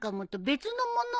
別のもの？